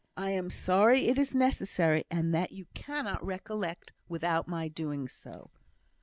I am very sorry it is necessary, and that you cannot recollect without my doing so."